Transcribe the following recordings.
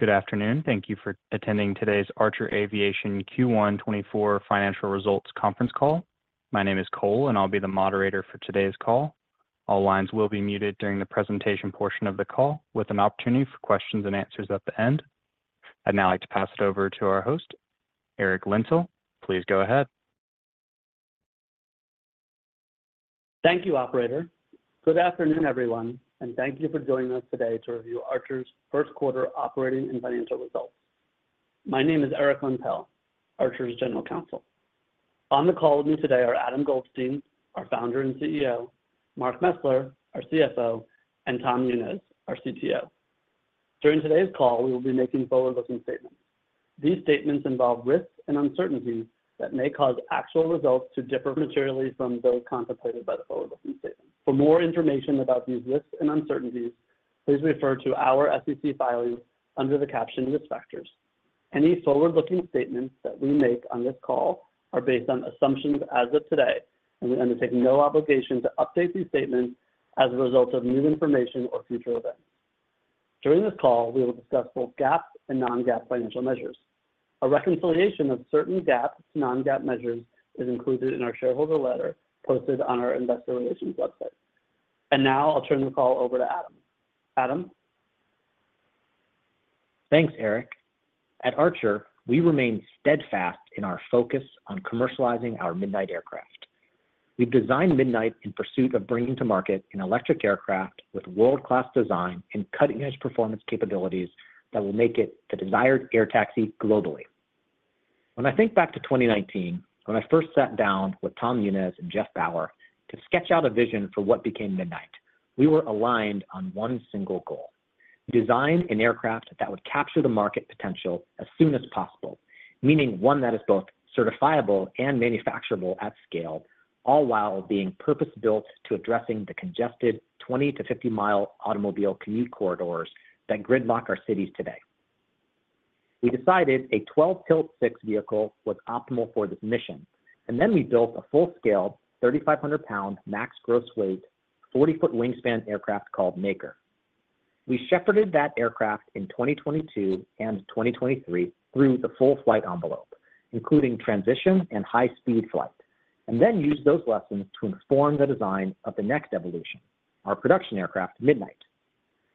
Good afternoon. Thank you for attending today's Archer Aviation Q1-24 Financial Results Conference Call. My name is Cole, and I'll be the moderator for today's call. All lines will be muted during the presentation portion of the call, with an opportunity for questions and answers at the end. I'd now like to pass it over to our host, Eric Lentell. Please go ahead. Thank you, Operator. Good afternoon, everyone, and thank you for joining us today to review Archer's first quarter operating and financial results. My name is Eric Lentell, Archer's General Counsel. On the call with me today are Adam Goldstein, our Founder and CEO; Mark Mesler, our CFO; and Tom Muniz, our CTO. During today's call, we will be making forward-looking statements. These statements involve risks and uncertainties that may cause actual results to differ materially from those contemplated by the forward-looking statements. For more information about these risks and uncertainties, please refer to our SEC filings under the caption "Risk Factors." Any forward-looking statements that we make on this call are based on assumptions as of today, and we undertake no obligation to update these statements as a result of new information or future events. During this call, we will discuss both GAAP and non-GAAP financial measures. A reconciliation of certain GAAP to non-GAAP measures is included in our shareholder letter posted on our investor relations website. Now I'll turn the call over to Adam. Adam? Thanks, Eric. At Archer, we remain steadfast in our focus on commercializing our Midnight aircraft. We've designed Midnight in pursuit of bringing to market an electric aircraft with world-class design and cutting-edge performance capabilities that will make it the desired air taxi globally. When I think back to 2019, when I first sat down with Tom Muniz and Geoff Bower to sketch out a vision for what became Midnight, we were aligned on one single goal: design an aircraft that would capture the market potential as soon as possible, meaning one that is both certifiable and manufacturable at scale, all while being purpose-built to address the congested 20-50-mile automobile commute corridors that gridlock our cities today. We decided a 12-rotor vehicle was optimal for this mission, and then we built a full-scale, 3,500-pound max gross weight, 40-foot wingspan aircraft called Maker. We shepherded that aircraft in 2022 and 2023 through the full flight envelope, including transition and high-speed flight, and then used those lessons to inform the design of the next evolution, our production aircraft, Midnight.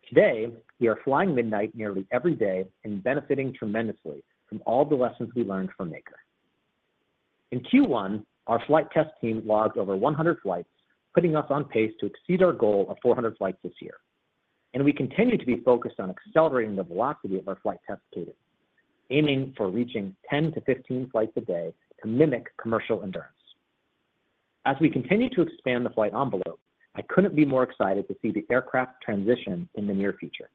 Today, we are flying Midnight nearly every day and benefiting tremendously from all the lessons we learned from Maker. In Q1, our flight test team logged over 100 flights, putting us on pace to exceed our goal of 400 flights this year. We continue to be focused on accelerating the velocity of our flight test cadence, aiming for reaching 10-15 flights a day to mimic commercial endurance. As we continue to expand the flight envelope, I couldn't be more excited to see the aircraft transition in the near future.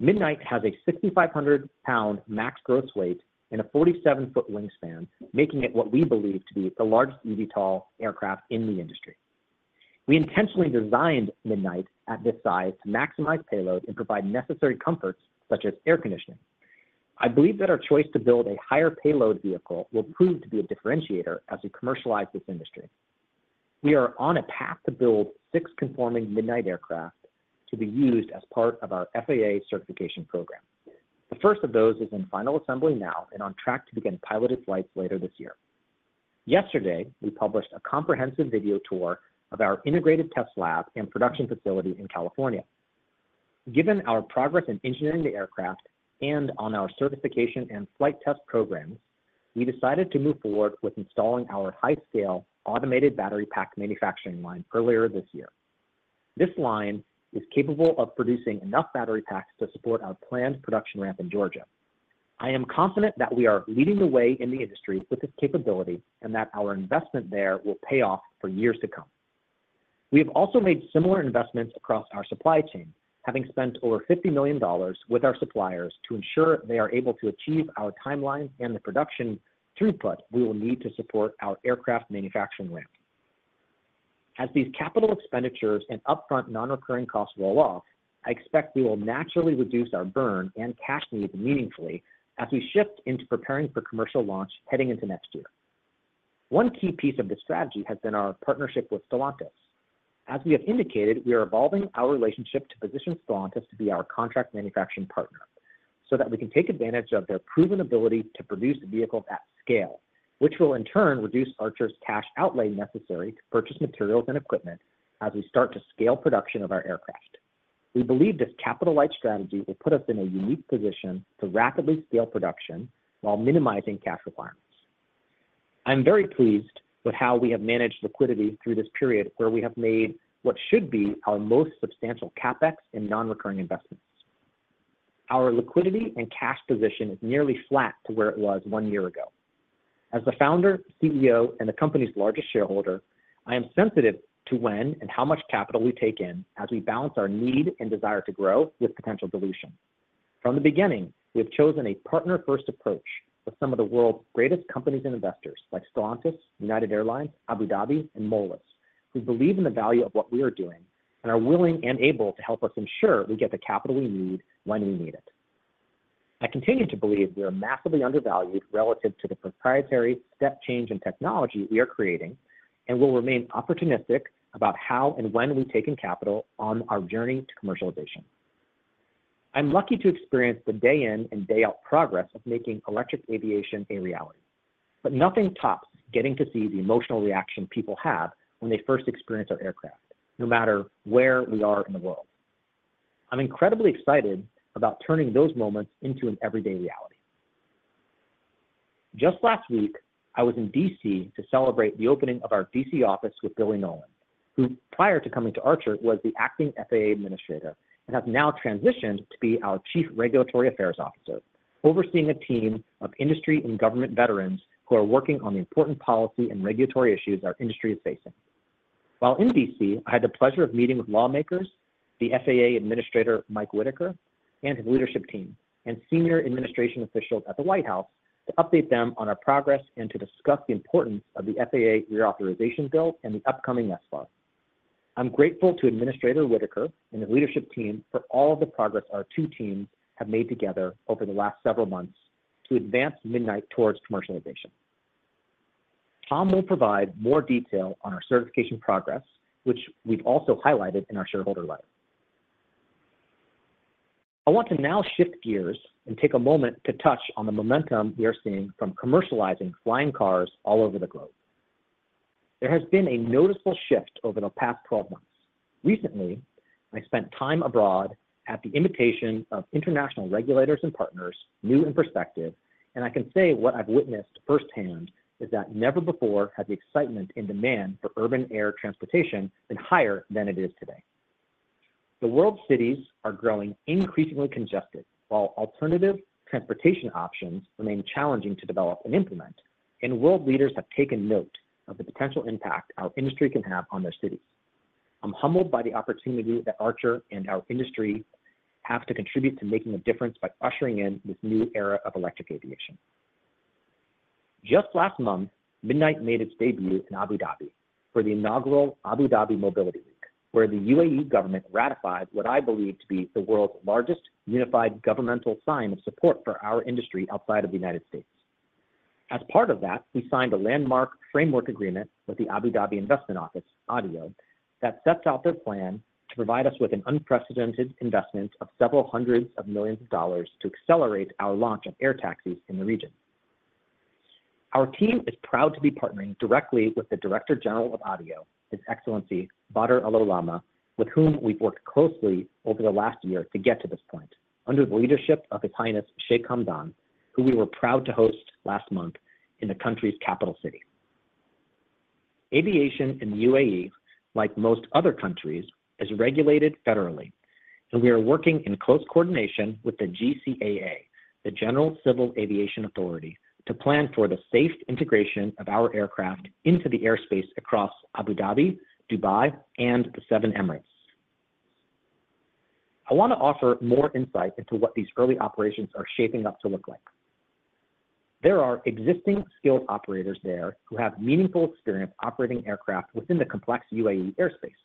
Midnight has a 6,500-pound max gross weight and a 47-foot wingspan, making it what we believe to be the largest eVTOL aircraft in the industry. We intentionally designed Midnight at this size to maximize payload and provide necessary comforts such as air conditioning. I believe that our choice to build a higher payload vehicle will prove to be a differentiator as we commercialize this industry. We are on a path to build 6 conforming Midnight aircraft to be used as part of our FAA certification program. The first of those is in final assembly now and on track to begin piloted flights later this year. Yesterday, we published a comprehensive video tour of our integrated test lab and production facility in California. Given our progress in engineering the aircraft and on our certification and flight test programs, we decided to move forward with installing our high-scale automated battery pack manufacturing line earlier this year. This line is capable of producing enough battery packs to support our planned production ramp in Georgia. I am confident that we are leading the way in the industry with this capability and that our investment there will pay off for years to come. We have also made similar investments across our supply chain, having spent over $50 million with our suppliers to ensure they are able to achieve our timelines and the production throughput we will need to support our aircraft manufacturing ramp. As these capital expenditures and upfront non-recurring costs roll off, I expect we will naturally reduce our burn and cash needs meaningfully as we shift into preparing for commercial launch heading into next year. One key piece of this strategy has been our partnership with Stellantis. As we have indicated, we are evolving our relationship to position Stellantis to be our contract manufacturing partner so that we can take advantage of their proven ability to produce vehicles at scale, which will in turn reduce Archer's cash outlay necessary to purchase materials and equipment as we start to scale production of our aircraft. We believe this capital-light strategy will put us in a unique position to rapidly scale production while minimizing cash requirements. I'm very pleased with how we have managed liquidity through this period where we have made what should be our most substantial CapEx in non-recurring investments. Our liquidity and cash position is nearly flat to where it was one year ago. As the founder, CEO, and the company's largest shareholder, I am sensitive to when and how much capital we take in as we balance our need and desire to grow with potential dilution. From the beginning, we have chosen a partner-first approach with some of the world's greatest companies and investors like Stellantis, United Airlines, Abu Dhabi, and Mubadala, who believe in the value of what we are doing and are willing and able to help us ensure we get the capital we need when we need it. I continue to believe we are massively undervalued relative to the proprietary step change in technology we are creating and will remain opportunistic about how and when we take in capital on our journey to commercialization. I'm lucky to experience the day-in and day-out progress of making electric aviation a reality, but nothing tops getting to see the emotional reaction people have when they first experience our aircraft, no matter where we are in the world. I'm incredibly excited about turning those moments into an everyday reality. Just last week, I was in D.C. to celebrate the opening of our D.C. office with Billy Nolen, who, prior to coming to Archer, was the acting FAA Administrator and has now transitioned to be our Chief Regulatory Affairs Officer, overseeing a team of industry and government veterans who are working on the important policy and regulatory issues our industry is facing. While in D.C., I had the pleasure of meeting with lawmakers, the FAA Administrator Mike Whitaker, and his leadership team and senior administration officials at the White House to update them on our progress and to discuss the importance of the FAA Reauthorization Bill and the upcoming SFAR. I'm grateful to Administrator Whitaker and his leadership team for all of the progress our two teams have made together over the last several months to advance Midnight towards commercialization. Tom will provide more detail on our certification progress, which we've also highlighted in our shareholder letter. I want to now shift gears and take a moment to touch on the momentum we are seeing from commercializing flying cars all over the globe. There has been a noticeable shift over the past 12 months. Recently, I spent time abroad at the invitation of international regulators and partners, new and prospective, and I can say what I've witnessed firsthand is that never before had the excitement and demand for urban air transportation been higher than it is today. The world's cities are growing increasingly congested while alternative transportation options remain challenging to develop and implement, and world leaders have taken note of the potential impact our industry can have on their cities. I'm humbled by the opportunity that Archer and our industry have to contribute to making a difference by ushering in this new era of electric aviation. Just last month, Midnight made its debut in Abu Dhabi for the inaugural Abu Dhabi Mobility Week, where the U.A.E. government ratified what I believe to be the world's largest unified governmental sign of support for our industry outside of the United States. As part of that, we signed a landmark framework agreement with the Abu Dhabi Investment Office, ADIO, that sets out their plan to provide us with an unprecedented investment of $ several hundred million to accelerate our launch of air taxis in the region. Our team is proud to be partnering directly with the Director General of ADIO, His Excellency Badr Al-Olama, with whom we've worked closely over the last year to get to this point, under the leadership of His Highness Sheikh Hamdan, who we were proud to host last month in the country's capital city. Aviation in the U.A.E., like most other countries, is regulated federally, and we are working in close coordination with the GCAA, the General Civil Aviation Authority, to plan for the safe integration of our aircraft into the airspace across Abu Dhabi, Dubai, and the Seven Emirates. I want to offer more insight into what these early operations are shaping up to look like. There are existing skilled operators there who have meaningful experience operating aircraft within the complex U.A.E. airspace.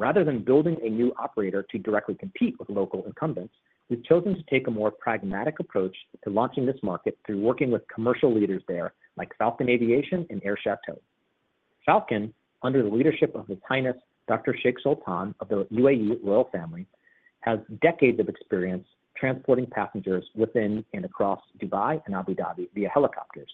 Rather than building a new operator to directly compete with local incumbents, we've chosen to take a more pragmatic approach to launching this market through working with commercial leaders there like Falcon Aviation and Air Chateau. Falcon, under the leadership of His Highness Dr. Sheikh Sultan of the U.A.E. Royal Family, has decades of experience transporting passengers within and across Dubai and Abu Dhabi via helicopters.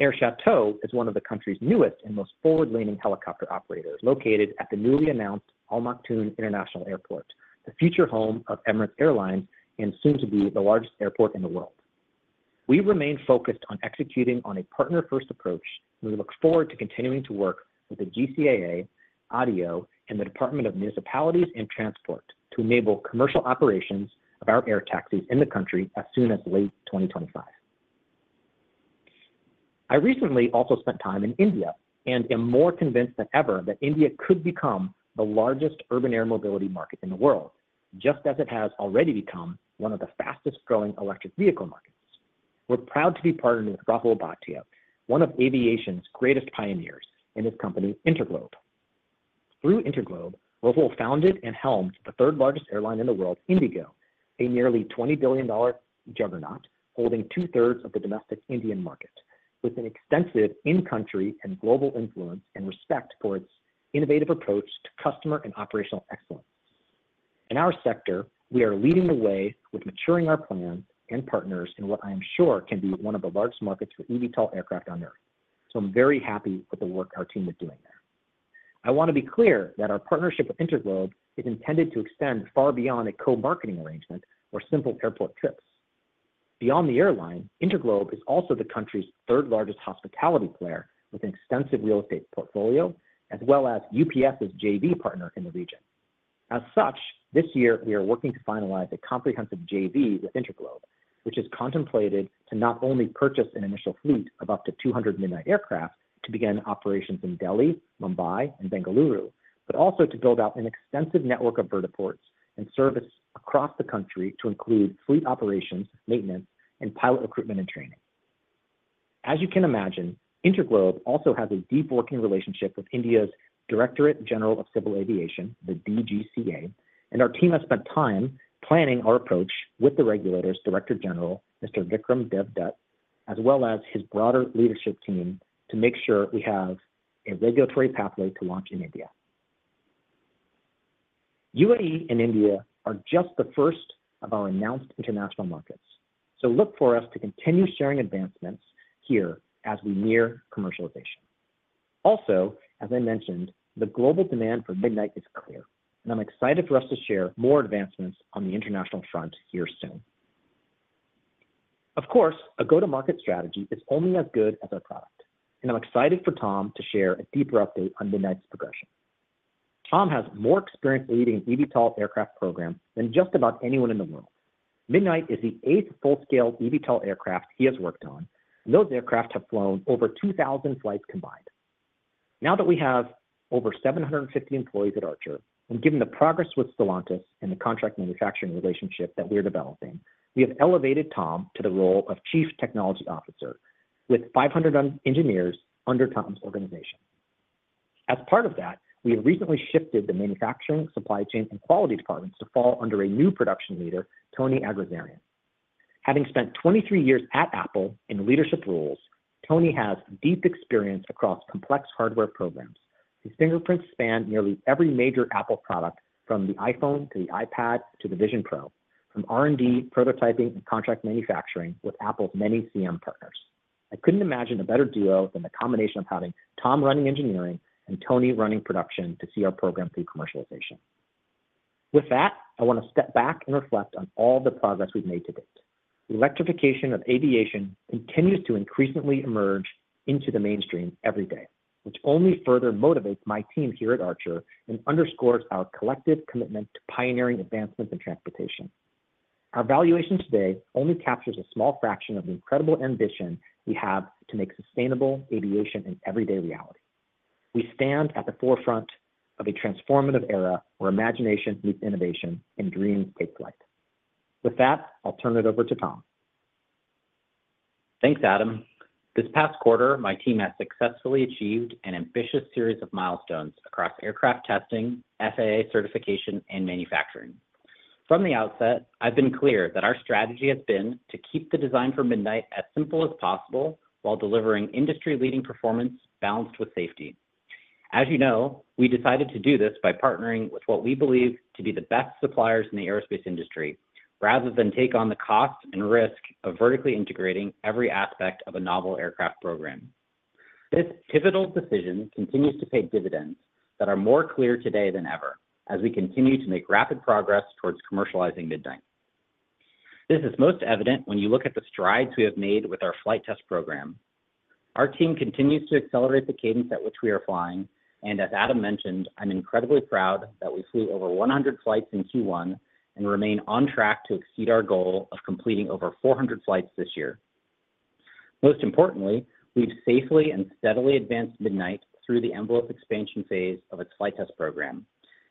Air Chateau is one of the country's newest and most forward-leaning helicopter operators, located at the newly announced Al Maktoum International Airport, the future home of Emirates Airlines and soon to be the largest airport in the world. We remain focused on executing on a partner-first approach, and we look forward to continuing to work with the GCAA, ADIO, and the Department of Municipalities and Transport to enable commercial operations of our air taxis in the country as soon as late 2025. I recently also spent time in India and am more convinced than ever that India could become the largest urban air mobility market in the world, just as it has already become one of the fastest-growing electric vehicle markets. We're proud to be partnered with Rahul Bhatia, one of aviation's greatest pioneers, and his company InterGlobe. Through InterGlobe, Rahul founded and helmed the third-largest airline in the world, IndiGo, a nearly $20 billion juggernaut holding two-thirds of the domestic Indian market, with an extensive in-country and global influence and respect for its innovative approach to customer and operational excellence. In our sector, we are leading the way with maturing our plans and partners in what I am sure can be one of the largest markets for eVTOL aircraft on Earth. So I'm very happy with the work our team is doing there. I want to be clear that our partnership with InterGlobe is intended to extend far beyond a co-marketing arrangement or simple airport trips. Beyond the airline, InterGlobe is also the country's third-largest hospitality player with an extensive real estate portfolio, as well as UPS's JV partner in the region. As such, this year, we are working to finalize a comprehensive JV with InterGlobe, which is contemplated to not only purchase an initial fleet of up to 200 Midnight aircraft to begin operations in Delhi, Mumbai, and Bengaluru, but also to build out an extensive network of vertiports and service across the country to include fleet operations, maintenance, and pilot recruitment and training. As you can imagine, InterGlobe also has a deep working relationship with India's Directorate General of Civil Aviation, the DGCA, and our team has spent time planning our approach with the regulator's Director General, Mr. Vikram Dev Dutt, as well as his broader leadership team to make sure we have a regulatory pathway to launch in India. U.A.E. and India are just the first of our announced international markets, so look for us to continue sharing advancements here as we near commercialization. Also, as I mentioned, the global demand for Midnight is clear, and I'm excited for us to share more advancements on the international front here soon. Of course, a go-to-market strategy is only as good as our product, and I'm excited for Tom to share a deeper update on Midnight's progression. Tom has more experience leading an eVTOL aircraft program than just about anyone in the world. Midnight is the eighth full-scale eVTOL aircraft he has worked on, and those aircraft have flown over 2,000 flights combined. Now that we have over 750 employees at Archer and given the progress with Stellantis and the contract manufacturing relationship that we are developing, we have elevated Tom to the role of Chief Technology Officer with 500 engineers under Tom's organization. As part of that, we have recently shifted the manufacturing, supply chain, and quality departments to fall under a new production leader, Tony Aghazarian. Having spent 23 years at Apple in leadership roles, Tony has deep experience across complex hardware programs. His fingerprints span nearly every major Apple product, from the iPhone to the iPad to the Vision Pro, from R&D, prototyping, and contract manufacturing with Apple's many CM partners. I couldn't imagine a better duo than the combination of having Tom running engineering and Tony running production to see our program through commercialization. With that, I want to step back and reflect on all the progress we've made to date. Electrification of aviation continues to increasingly emerge into the mainstream every day, which only further motivates my team here at Archer and underscores our collective commitment to pioneering advancements in transportation. Our valuation today only captures a small fraction of the incredible ambition we have to make sustainable aviation an everyday reality. We stand at the forefront of a transformative era where imagination meets innovation and dreams take flight. With that, I'll turn it over to Tom. Thanks, Adam. This past quarter, my team has successfully achieved an ambitious series of milestones across aircraft testing, FAA certification, and manufacturing. From the outset, I've been clear that our strategy has been to keep the design for Midnight as simple as possible while delivering industry-leading performance balanced with safety. As you know, we decided to do this by partnering with what we believe to be the best suppliers in the aerospace industry rather than take on the cost and risk of vertically integrating every aspect of a novel aircraft program. This pivotal decision continues to pay dividends that are more clear today than ever as we continue to make rapid progress towards commercializing Midnight. This is most evident when you look at the strides we have made with our flight test program. Our team continues to accelerate the cadence at which we are flying, and as Adam mentioned, I'm incredibly proud that we flew over 100 flights in Q1 and remain on track to exceed our goal of completing over 400 flights this year. Most importantly, we've safely and steadily advanced Midnight through the envelope expansion phase of its flight test program,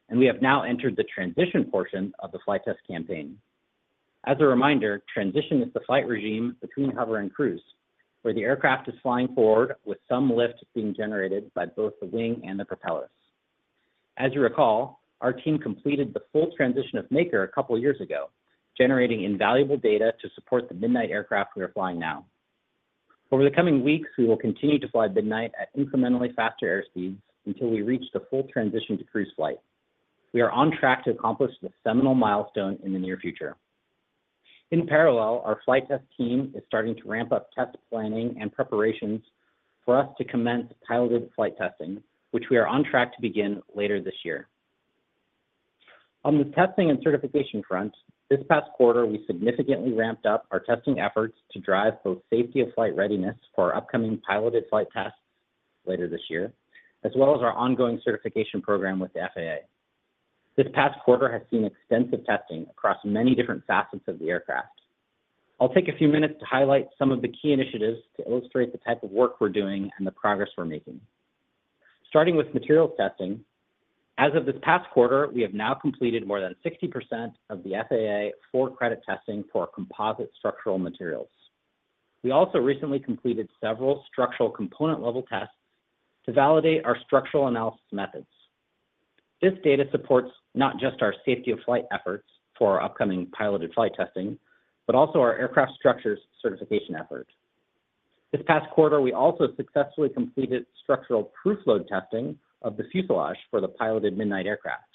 and we have now entered the transition portion of the flight test campaign. As a reminder, transition is the flight regime between hover and cruise, where the aircraft is flying forward with some lift being generated by both the wing and the propellers. As you recall, our team completed the full transition of Maker a couple of years ago, generating invaluable data to support the Midnight aircraft we are flying now. Over the coming weeks, we will continue to fly Midnight at incrementally faster airspeeds until we reach the full transition to cruise flight. We are on track to accomplish the seminal milestone in the near future. In parallel, our flight test team is starting to ramp up test planning and preparations for us to commence piloted flight testing, which we are on track to begin later this year. On the testing and certification front, this past quarter, we significantly ramped up our testing efforts to drive both safety of flight readiness for our upcoming piloted flight tests later this year, as well as our ongoing certification program with the FAA. This past quarter has seen extensive testing across many different facets of the aircraft. I'll take a few minutes to highlight some of the key initiatives to illustrate the type of work we're doing and the progress we're making. Starting with materials testing, as of this past quarter, we have now completed more than 60% of the FAA for-credit testing for composite structural materials. We also recently completed several structural component-level tests to validate our structural analysis methods. This data supports not just our safety of flight efforts for our upcoming piloted flight testing, but also our aircraft structures certification effort. This past quarter, we also successfully completed structural proof load testing of the fuselage for the piloted Midnight aircraft,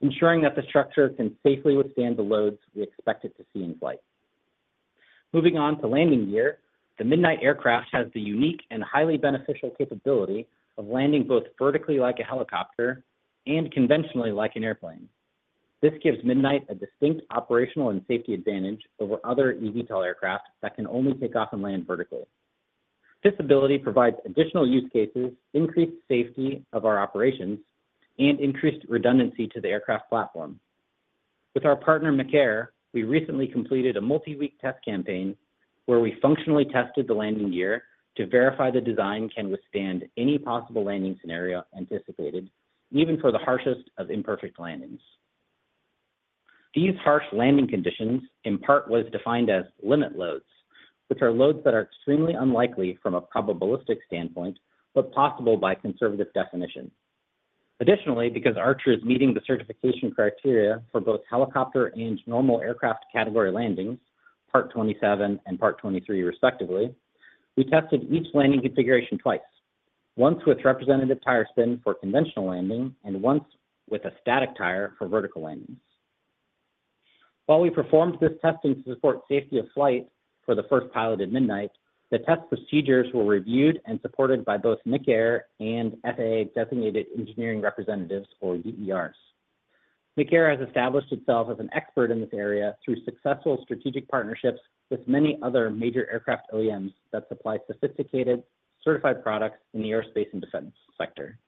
ensuring that the structure can safely withstand the loads we expect it to see in flight. Moving on to landing gear, the Midnight aircraft has the unique and highly beneficial capability of landing both vertically like a helicopter and conventionally like an airplane. This gives Midnight a distinct operational and safety advantage over other eVTOL aircraft that can only take off and land vertically. This ability provides additional use cases, increased safety of our operations, and increased redundancy to the aircraft platform. With our partner, Mecaer, we recently completed a multi-week test campaign where we functionally tested the landing gear to verify the design can withstand any possible landing scenario anticipated, even for the harshest of imperfect landings. These harsh landing conditions in part were defined as limit loads, which are loads that are extremely unlikely from a probabilistic standpoint but possible by conservative definition. Additionally, because Archer is meeting the certification criteria for both helicopter and normal aircraft category landings, Part 27 and Part 23 respectively, we tested each landing configuration twice, once with representative tire spin for conventional landing and once with a static tire for vertical landings. While we performed this testing to support safety of flight for the first piloted Midnight, the test procedures were reviewed and supported by both Mecaer and FAA-designated engineering representatives, or DERs. Mecaer has established itself as an expert in this area through successful strategic partnerships with many other major aircraft OEMs that supply sophisticated, certified products in the aerospace and defense sector.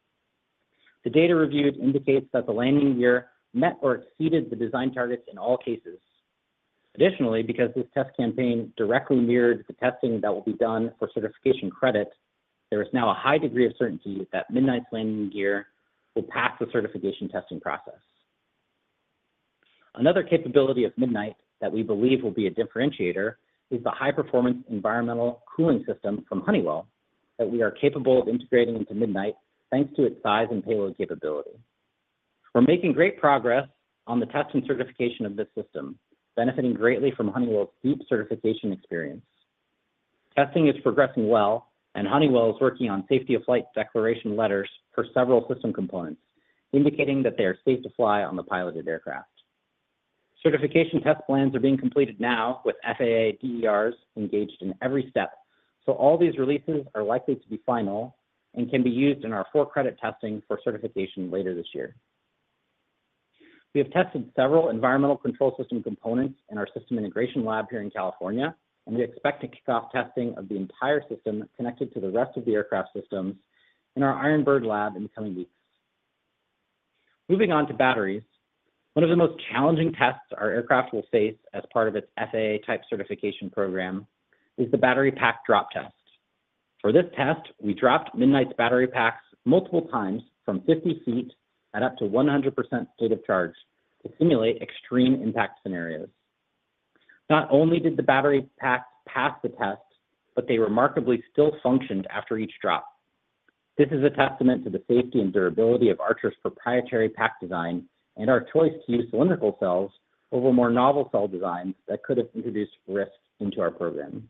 The data reviewed indicates that the landing gear met or exceeded the design targets in all cases. Additionally, because this test campaign directly mirrored the testing that will be done for certification credit, there is now a high degree of certainty that Midnight's landing gear will pass the certification testing process. Another capability of Midnight that we believe will be a differentiator is the high-performance environmental cooling system from Honeywell that we are capable of integrating into Midnight thanks to its size and payload capability. We're making great progress on the test and certification of this system, benefiting greatly from Honeywell's deep certification experience. Testing is progressing well, and Honeywell is working on safety of flight declaration letters for several system components, indicating that they are safe to fly on the piloted aircraft. Certification test plans are being completed now with FAA DERs engaged in every step, so all these releases are likely to be final and can be used in our four-credit testing for certification later this year. We have tested several environmental control system components in our system integration lab here in California, and we expect to kick off testing of the entire system connected to the rest of the aircraft systems in our Ironbird lab in the coming weeks. Moving on to batteries, one of the most challenging tests our aircraft will face as part of its FAA-type certification program is the battery pack drop test. For this test, we dropped Midnight's battery packs multiple times from 50 feet at up to 100% state of charge to simulate extreme impact scenarios. Not only did the battery packs pass the test, but they remarkably still functioned after each drop. This is a testament to the safety and durability of Archer's proprietary pack design and our choice to use cylindrical cells over more novel cell designs that could have introduced risk into our program.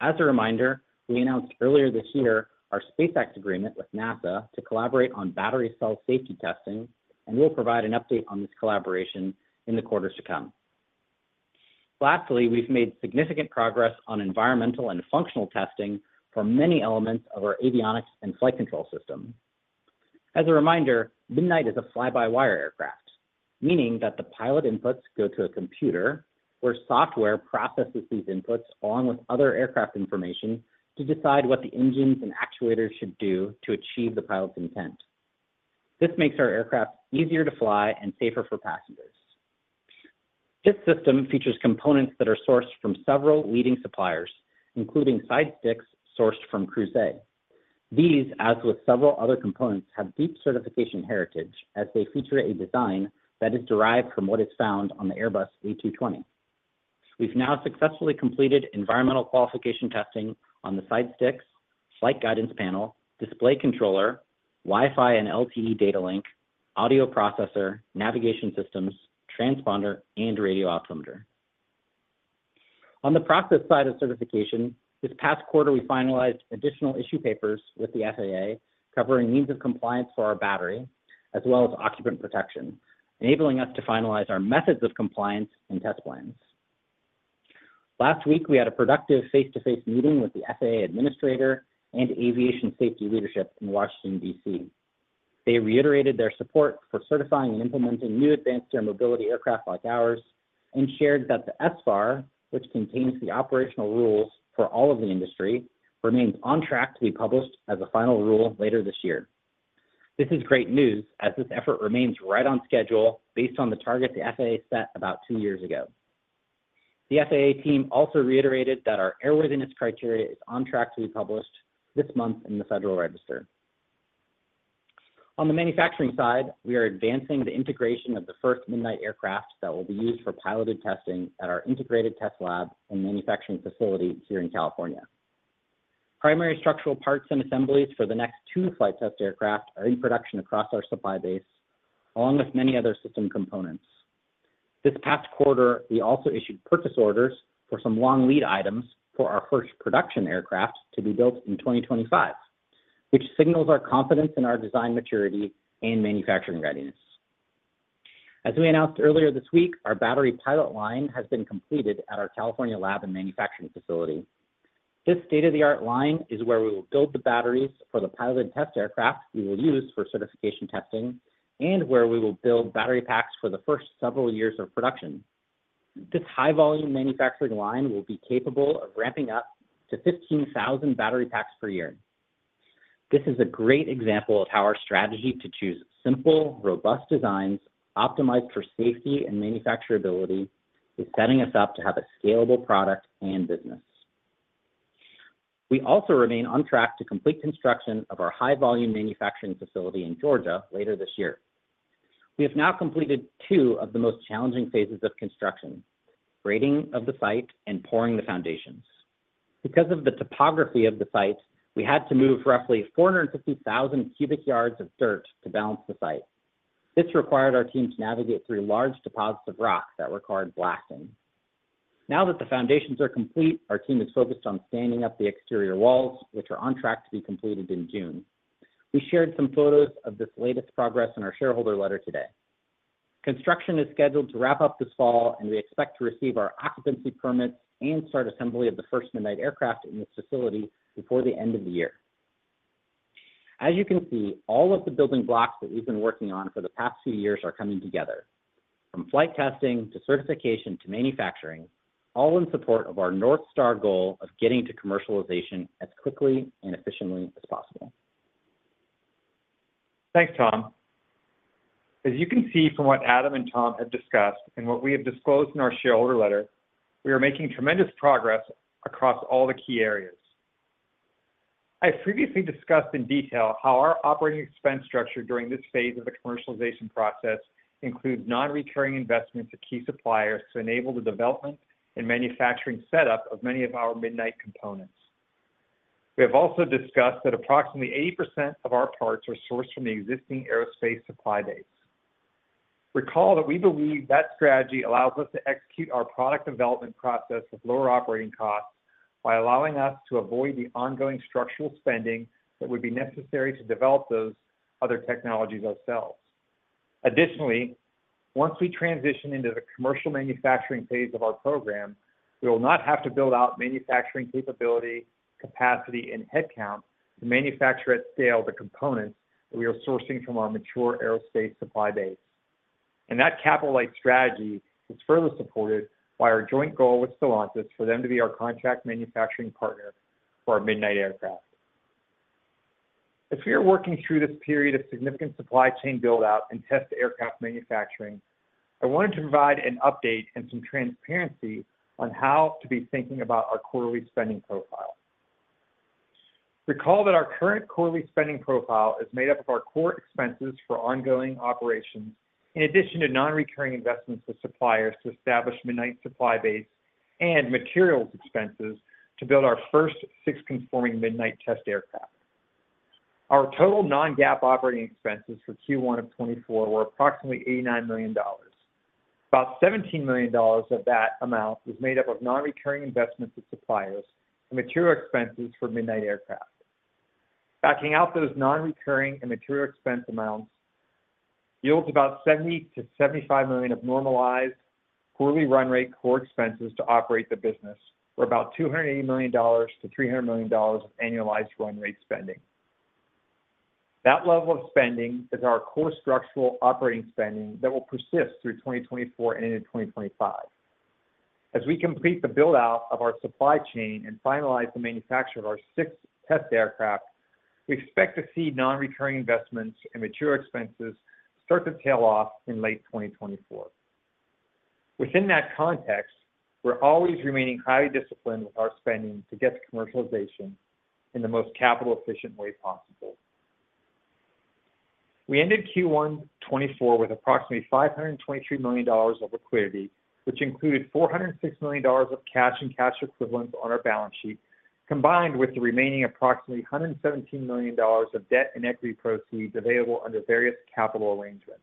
As a reminder, we announced earlier this year our SpaceX agreement with NASA to collaborate on battery cell safety testing, and we'll provide an update on this collaboration in the quarters to come. Lastly, we've made significant progress on environmental and functional testing for many elements of our avionics and flight control system. As a reminder, Midnight is a fly-by-wire aircraft, meaning that the pilot inputs go to a computer where software processes these inputs along with other aircraft information to decide what the engines and actuators should do to achieve the pilot's intent. This makes our aircraft easier to fly and safer for passengers. This system features components that are sourced from several leading suppliers, including side sticks sourced from Crouzet. These, as with several other components, have deep certification heritage as they feature a design that is derived from what is found on the Airbus A220. We've now successfully completed environmental qualification testing on the side sticks, flight guidance panel, display controller, Wi-Fi and LTE data link, audio processor, navigation systems, transponder, and radio altimeter. On the process side of certification, this past quarter, we finalized additional issue papers with the FAA covering means of compliance for our battery as well as occupant protection, enabling us to finalize our methods of compliance and test plans. Last week, we had a productive face-to-face meeting with the FAA administrator and aviation safety leadership in Washington, D.C. They reiterated their support for certifying and implementing new advanced air mobility aircraft like ours and shared that the SFAR, which contains the operational rules for all of the industry, remains on track to be published as a final rule later this year. This is great news as this effort remains right on schedule based on the target the FAA set about two years ago. The FAA team also reiterated that our airworthiness criteria is on track to be published this month in the Federal Register. On the manufacturing side, we are advancing the integration of the first Midnight aircraft that will be used for piloted testing at our integrated test lab and manufacturing facility here in California. Primary structural parts and assemblies for the next two flight test aircraft are in production across our supply base, along with many other system components. This past quarter, we also issued purchase orders for some long lead items for our first production aircraft to be built in 2025, which signals our confidence in our design maturity and manufacturing readiness. As we announced earlier this week, our battery pilot line has been completed at our California lab and manufacturing facility. This state-of-the-art line is where we will build the batteries for the piloted test aircraft we will use for certification testing and where we will build battery packs for the first several years of production. This high-volume manufacturing line will be capable of ramping up to 15,000 battery packs per year. This is a great example of how our strategy to choose simple, robust designs optimized for safety and manufacturability is setting us up to have a scalable product and business. We also remain on track to complete construction of our high-volume manufacturing facility in Georgia later this year. We have now completed two of the most challenging phases of construction: grading of the site and pouring the foundations. Because of the topography of the site, we had to move roughly 450,000 cubic yards of dirt to balance the site. This required our team to navigate through large deposits of rock that required blasting. Now that the foundations are complete, our team is focused on standing up the exterior walls, which are on track to be completed in June. We shared some photos of this latest progress in our shareholder letter today. Construction is scheduled to wrap up this fall, and we expect to receive our occupancy permits and start assembly of the first Midnight aircraft in this facility before the end of the year. As you can see, all of the building blocks that we've been working on for the past few years are coming together, from flight testing to certification to manufacturing, all in support of our North Star goal of getting to commercialization as quickly and efficiently as possible. Thanks, Tom. As you can see from what Adam and Tom have discussed and what we have disclosed in our shareholder letter, we are making tremendous progress across all the key areas. I previously discussed in detail how our operating expense structure during this phase of the commercialization process includes non-recurring investments of key suppliers to enable the development and manufacturing setup of many of our Midnight components. We have also discussed that approximately 80% of our parts are sourced from the existing aerospace supply base. Recall that we believe that strategy allows us to execute our product development process with lower operating costs by allowing us to avoid the ongoing structural spending that would be necessary to develop those other technologies ourselves. Additionally, once we transition into the commercial manufacturing phase of our program, we will not have to build out manufacturing capability, capacity, and headcount to manufacture at scale the components that we are sourcing from our mature aerospace supply base. That capital-light strategy is further supported by our joint goal with Stellantis for them to be our contract manufacturing partner for our Midnight aircraft. As we are working through this period of significant supply chain buildout and test aircraft manufacturing, I wanted to provide an update and some transparency on how to be thinking about our quarterly spending profile. Recall that our current quarterly spending profile is made up of our core expenses for ongoing operations, in addition to non-recurring investments with suppliers to establish Midnight's supply base and materials expenses to build our first six-conforming Midnight test aircraft. Our total non-GAAP operating expenses for Q1 of 2024 were approximately $89 million. About $17 million of that amount was made up of non-recurring investments with suppliers and material expenses for Midnight aircraft. Backing out those non-recurring and material expense amounts yields about $70 million-$75 million of normalized quarterly run rate core expenses to operate the business, or about $280 million-$300 million of annualized run rate spending. That level of spending is our core structural operating spending that will persist through 2024 and into 2025. As we complete the buildout of our supply chain and finalize the manufacture of our 6 test aircraft, we expect to see non-recurring investments and material expenses start to tail off in late 2024. Within that context, we're always remaining highly disciplined with our spending to get to commercialization in the most capital-efficient way possible. We ended Q1 2024 with approximately $523 million of liquidity, which included $406 million of cash and cash equivalents on our balance sheet, combined with the remaining approximately $117 million of debt and equity proceeds available under various capital arrangements.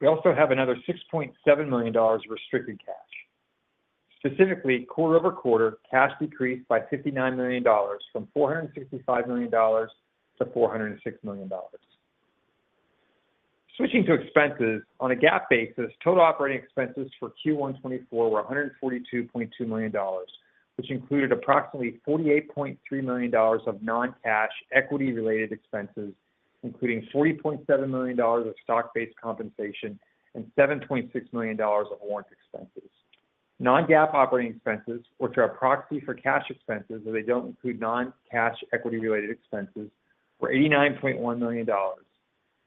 We also have another $6.7 million of restricted cash. Specifically, quarter-over-quarter, cash decreased by $59 million from $465 million to $406 million. Switching to expenses, on a GAAP basis, total operating expenses for Q1 2024 were $142.2 million, which included approximately $48.3 million of non-cash equity-related expenses, including $40.7 million of stock-based compensation and $7.6 million of warrant expenses. Non-GAAP operating expenses, which are a proxy for cash expenses as they don't include non-cash equity-related expenses, were $89.1 million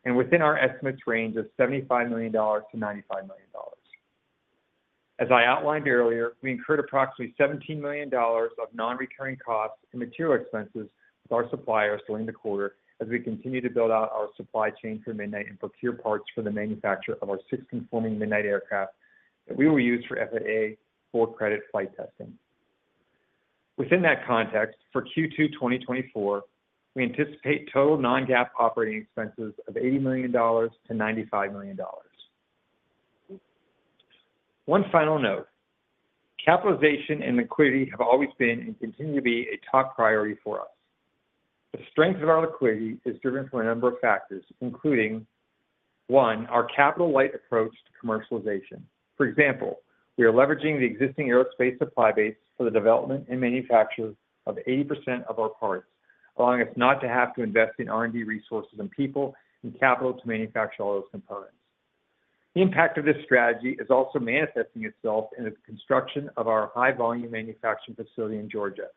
and within our estimates range of $75 million-$95 million. As I outlined earlier, we incurred approximately $17 million of non-recurring costs and material expenses with our suppliers during the quarter as we continue to build out our supply chain for Midnight and procure parts for the manufacture of our six-conforming Midnight aircraft that we will use for FAA four-credit flight testing. Within that context, for Q2 2024, we anticipate total non-GAAP operating expenses of $80 million-$95 million. One final note: capitalization and liquidity have always been and continue to be a top priority for us. The strength of our liquidity is driven from a number of factors, including: one, our capital-light approach to commercialization. For example, we are leveraging the existing aerospace supply base for the development and manufacture of 80% of our parts, allowing us not to have to invest in R&D resources and people and capital to manufacture all those components. The impact of this strategy is also manifesting itself in the construction of our high-volume manufacturing facility in Georgia,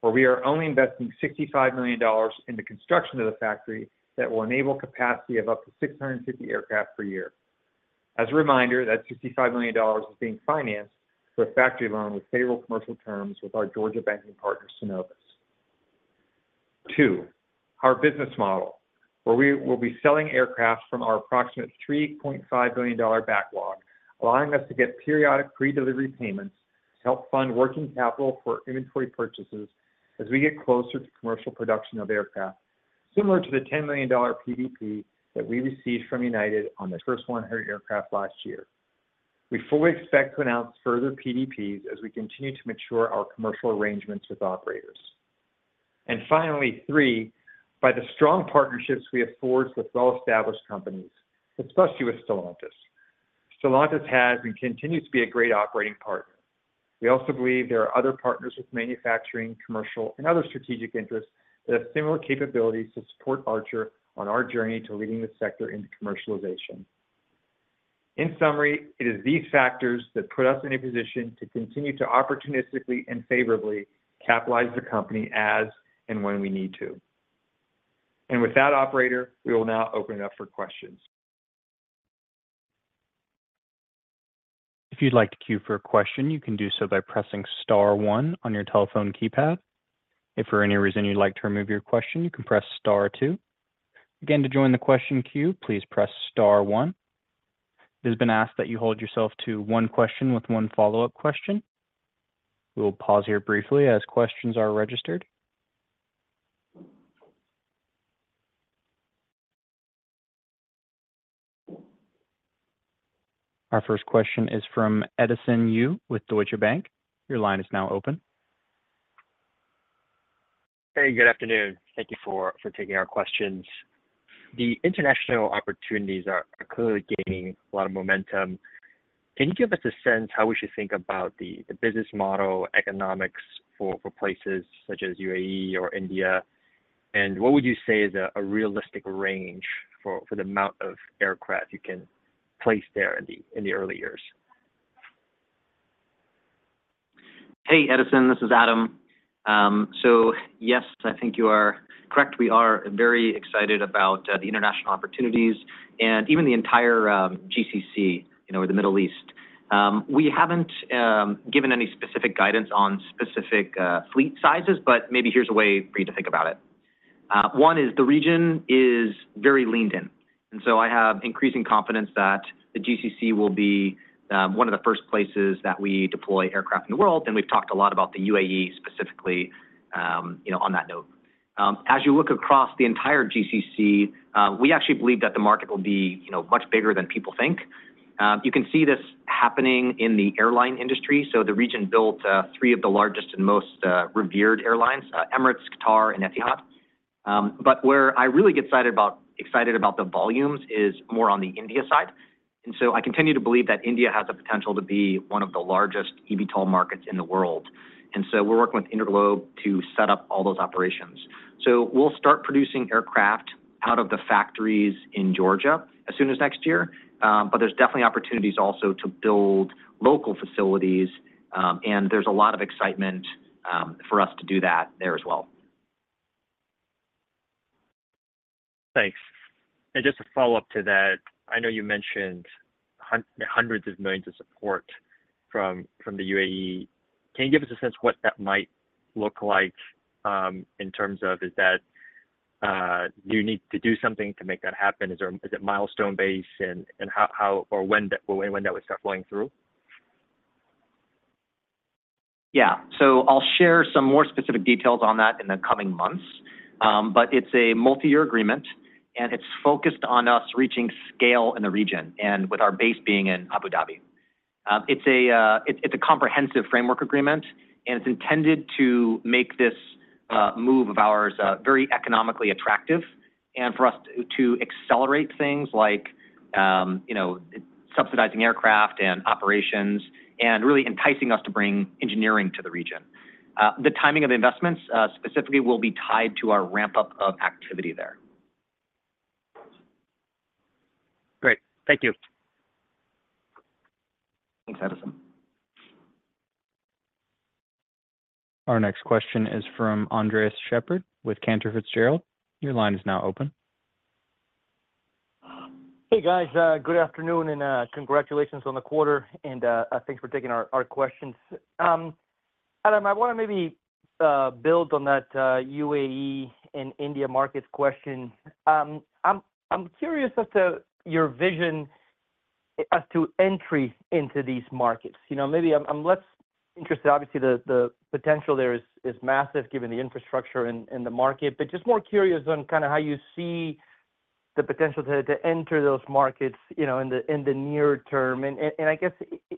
where we are only investing $65 million in the construction of the factory that will enable capacity of up to 650 aircraft per year. As a reminder, that $65 million is being financed through a factory loan with federal commercial terms with our Georgia banking partner, Synovus. Two, our business model, where we will be selling aircraft from our approximate $3.5 billion backlog, allowing us to get periodic pre-delivery payments to help fund working capital for inventory purchases as we get closer to commercial production of aircraft, similar to the $10 million PDP that we received from United on the first 100 aircraft last year. We fully expect to announce further PDPs as we continue to mature our commercial arrangements with operators. And finally, three, by the strong partnerships we have forged with well-established companies, especially with Stellantis. Stellantis has and continues to be a great operating partner. We also believe there are other partners with manufacturing, commercial, and other strategic interests that have similar capabilities to support Archer on our journey to leading the sector into commercialization. In summary, it is these factors that put us in a position to continue to opportunistically and favorably capitalize the company as and when we need to. And with that, operator, we will now open it up for questions. If you'd like to cue for a question, you can do so by pressing star 1 on your telephone keypad. If for any reason you'd like to remove your question, you can press star 2. Again, to join the question cue, please press star 1. It has been asked that you hold yourself to one question with one follow-up question. We will pause here briefly as questions are registered. Our first question is from Edison Yu with Deutsche Bank. Your line is now open. Hey, good afternoon. Thank you for taking our questions. The international opportunities are clearly gaining a lot of momentum. Can you give us a sense how we should think about the business model economics for places such as U.A.E. or India? And what would you say is a realistic range for the amount of aircraft you can place there in the early years? Hey, Edison. This is Adam. So yes, I think you are correct. We are very excited about the international opportunities and even the entire GCC or the Middle East. We haven't given any specific guidance on specific fleet sizes, but maybe here's a way for you to think about it. One is the region is very leaned in. And so I have increasing confidence that the GCC will be one of the first places that we deploy aircraft in the world. And we've talked a lot about the U.A.E. specifically on that note. As you look across the entire GCC, we actually believe that the market will be much bigger than people think. You can see this happening in the airline industry. So the region built three of the largest and most revered airlines: Emirates, Qatar, and Etihad. Where I really get excited about the volumes is more on the India side. I continue to believe that India has the potential to be one of the largest eVTOL markets in the world. We're working with InterGlobe to set up all those operations. We'll start producing aircraft out of the factories in Georgia as soon as next year. There's definitely opportunities also to build local facilities. There's a lot of excitement for us to do that there as well. Thanks. And just a follow-up to that, I know you mentioned $hundreds of millions of support from the U.A.E.. Can you give us a sense what that might look like in terms of is that you need to do something to make that happen? Is it milestone-based? And when that would start flowing through? Yeah. So I'll share some more specific details on that in the coming months. But it's a multi-year agreement, and it's focused on us reaching scale in the region and with our base being in Abu Dhabi. It's a comprehensive framework agreement, and it's intended to make this move of ours very economically attractive and for us to accelerate things like subsidizing aircraft and operations and really enticing us to bring engineering to the region. The timing of the investments specifically will be tied to our ramp-up of activity there. Great. Thank you. Thanks, Edison. Our next question is from Andres Sheppard with Cantor Fitzgerald. Your line is now open. Hey, guys. Good afternoon and congratulations on the quarter. Thanks for taking our questions. Adam, I want to maybe build on that U.A.E. and India markets question. I'm curious as to your vision as to entry into these markets. Maybe I'm less interested. Obviously, the potential there is massive given the infrastructure and the market. But just more curious on kind of how you see the potential to enter those markets in the near term. I guess,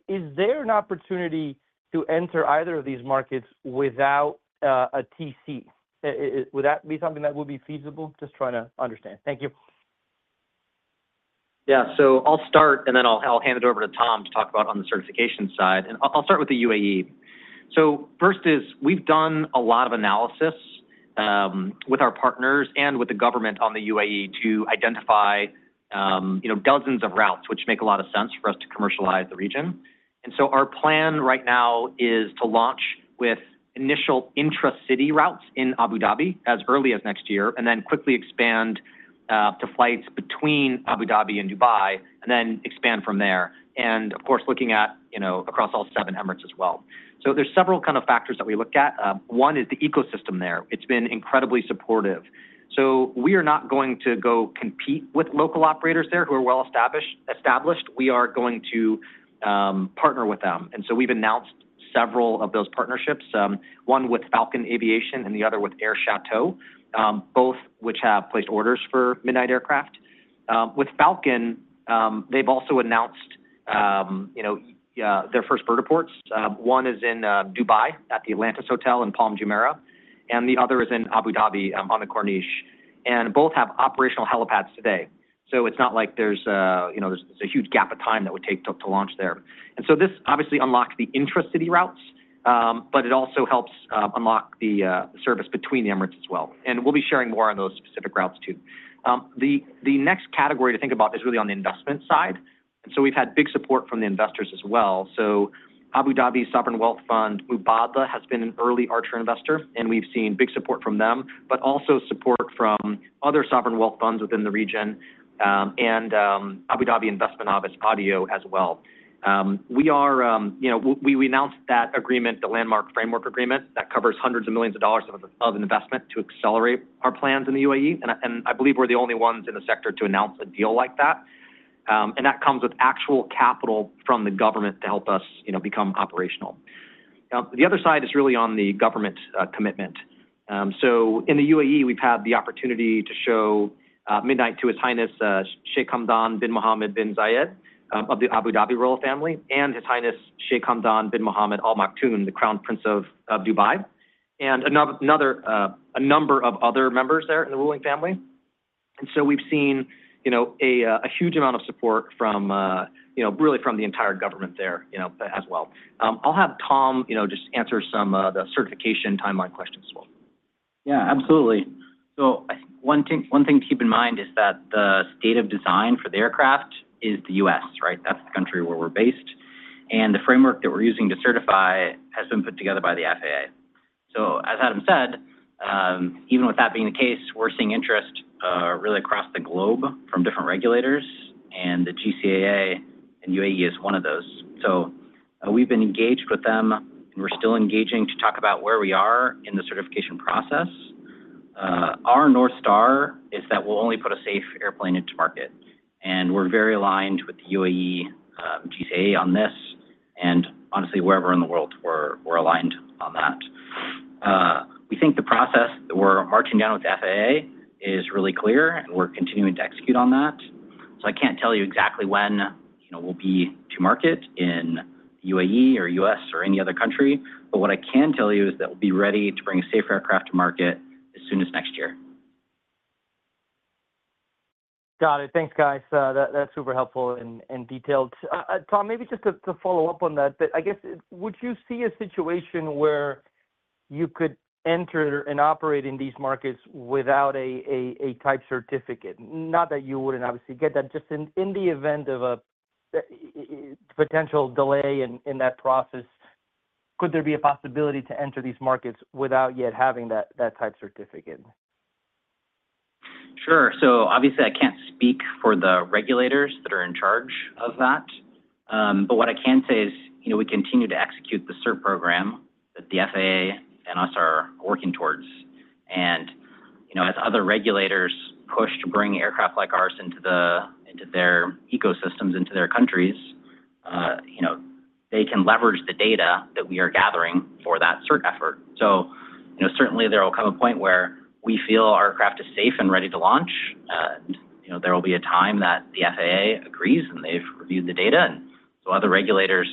is there an opportunity to enter either of these markets without a TC? Would that be something that would be feasible? Just trying to understand. Thank you. Yeah. So I'll start, and then I'll hand it over to Tom to talk about on the certification side. I'll start with the U.A.E.. So first, we've done a lot of analysis with our partners and with the government on the U.A.E. to identify dozens of routes, which make a lot of sense for us to commercialize the region. Our plan right now is to launch with initial intra-city routes in Abu Dhabi as early as next year and then quickly expand to flights between Abu Dhabi and Dubai and then expand from there, and of course, looking at across all seven Emirates as well. So there's several kind of factors that we look at. One is the ecosystem there. It's been incredibly supportive. So we are not going to go compete with local operators there who are well established. We are going to partner with them. So we've announced several of those partnerships, one with Falcon Aviation and the other with Air Chateau, both which have placed orders for Midnight aircraft. With Falcon, they've also announced their first vertiports. One is in Dubai at the Atlantis Hotel in Palm Jumeirah, and the other is in Abu Dhabi on the Corniche. Both have operational helipads today. So it's not like there's a huge gap of time that would take to launch there. So this obviously unlocks the intra-city routes, but it also helps unlock the service between the Emirates as well. We'll be sharing more on those specific routes too. The next category to think about is really on the investment side. So we've had big support from the investors as well. So Abu Dhabi sovereign wealth fund, Mubadala, has been an early Archer investor, and we've seen big support from them but also support from other sovereign wealth funds within the region and Abu Dhabi Investment Office, ADIO, as well. We announced that agreement, the landmark framework agreement that covers hundreds of millions of dollars of investment to accelerate our plans in the U.A.E.. I believe we're the only ones in the sector to announce a deal like that. That comes with actual capital from the government to help us become operational. The other side is really on the government commitment. So in the U.A.E., we've had the opportunity to show Midnight to His Highness Sheikh Hamdan bin Mohammed bin Zayed of the Abu Dhabi royal family and His Highness Sheikh Hamdan bin Mohammed Al Maktoum, the Crown Prince of Dubai, and a number of other members there in the ruling family. And so we've seen a huge amount of support really from the entire government there as well. I'll have Tom just answer some of the certification timeline questions as well. Yeah, absolutely. So one thing to keep in mind is that the state of design for the aircraft is the U.S., right? That's the country where we're based. And the framework that we're using to certify has been put together by the FAA. So as Adam said, even with that being the case, we're seeing interest really across the globe from different regulators. The GCAA and U.A.E. is one of those. We've been engaged with them, and we're still engaging to talk about where we are in the certification process. Our North Star is that we'll only put a safe airplane into market. We're very aligned with the U.A.E. GCAA on this. Honestly, wherever in the world, we're aligned on that. We think the process that we're marching down with the FAA is really clear, and we're continuing to execute on that. I can't tell you exactly when we'll be to market in the U.A.E. or U.S. or any other country. But what I can tell you is that we'll be ready to bring a safe aircraft to market as soon as next year. Got it. Thanks, guys. That's super helpful and detailed. Tom, maybe just to follow up on that, but I guess, would you see a situation where you could enter and operate in these markets without a type certificate? Not that you wouldn't obviously get that, just in the event of a potential delay in that process, could there be a possibility to enter these markets without yet having that type certificate? Sure. So obviously, I can't speak for the regulators that are in charge of that. But what I can say is we continue to execute the CERT program that the FAA and us are working towards. And as other regulators push to bring aircraft like ours into their ecosystems, into their countries, they can leverage the data that we are gathering for that CERT effort. So certainly, there will come a point where we feel our craft is safe and ready to launch. And there will be a time that the FAA agrees, and they've reviewed the data. And so other regulators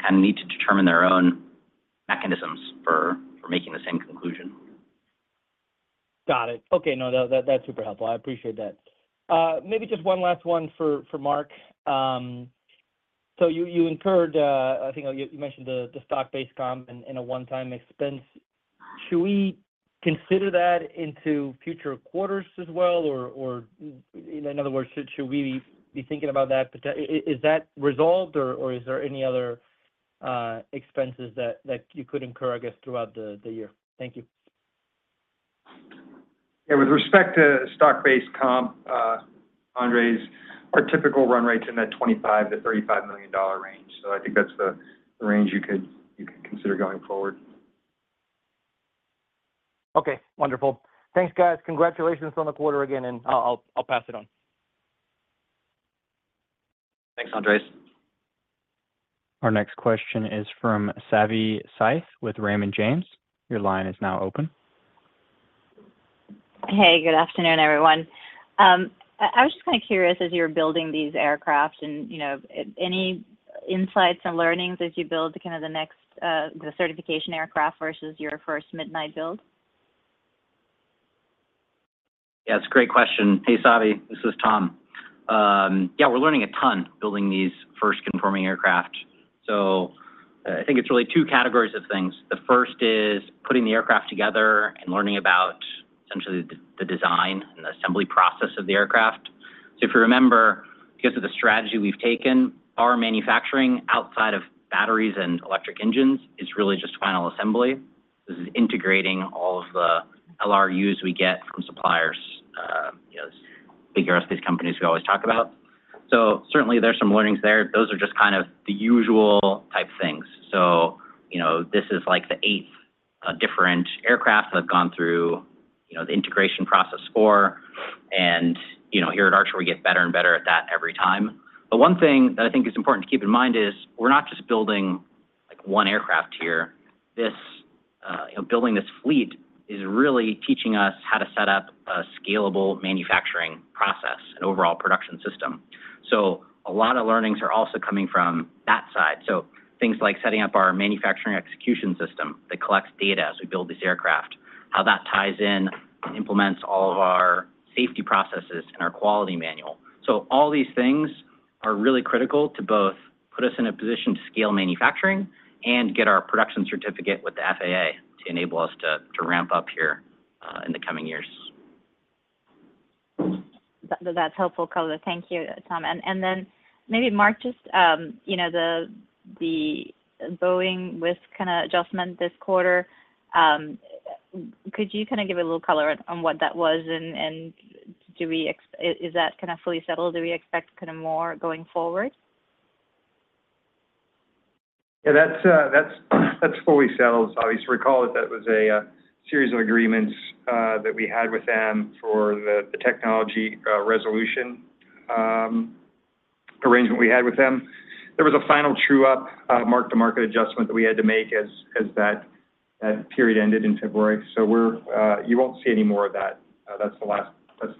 kind of need to determine their own mechanisms for making the same conclusion. Got it. Okay. No, that's super helpful. I appreciate that. Maybe just one last one for Mark. So you incurred, I think you mentioned the stock-based comp and a one-time expense. Should we consider that into future quarters as well? Or in other words, should we be thinking about that? Is that resolved, or is there any other expenses that you could incur, I guess, throughout the year? Thank you. Yeah. With respect to stock-based comp, Andres, our typical run rates are in that $25 million-$35 million range. So I think that's the range you could consider going forward. Okay. Wonderful. Thanks, guys. Congratulations on the quarter again, and I'll pass it on. Thanks, Andres. Our next question is from Savi Syth with Raymond James. Your line is now open. Hey, good afternoon, everyone. I was just kind of curious, as you were building these aircraft, any insights and learnings as you build kind of the certification aircraft versus your first Midnight build? Yeah, it's a great question. Hey, Savi. This is Tom. Yeah, we're learning a ton building these first conforming aircraft. So I think it's really two categories of things. The first is putting the aircraft together and learning about essentially the design and the assembly process of the aircraft. So if you remember, because of the strategy we've taken, our manufacturing outside of batteries and electric engines is really just final assembly. This is integrating all of the LRUs we get from suppliers, big aerospace companies we always talk about. So certainly, there's some learnings there. Those are just kind of the usual type things. So this is like the eighth different aircraft that have gone through the integration process. So here at Archer, we get better and better at that every time. One thing that I think is important to keep in mind is we're not just building one aircraft here. Building this fleet is really teaching us how to set up a scalable manufacturing process, an overall production system. A lot of learnings are also coming from that side. Things like setting up our manufacturing execution system that collects data as we build these aircraft, how that ties in and implements all of our safety processes and our quality manual. All these things are really critical to both put us in a position to scale manufacturing and get our production certificate with the FAA to enable us to ramp up here in the coming years. That's helpful color. Thank you, Tom. And then maybe Mark, just the Boeing Wisk kind of adjustment this quarter, could you kind of give a little color on what that was? And is that kind of fully settled? Do we expect kind of more going forward? Yeah, that's fully settled. Obviously, recall that that was a series of agreements that we had with them for the technology resolution arrangement we had with them. There was a final true-up, mark-to-market adjustment that we had to make as that period ended in February. So you won't see any more of that. That's the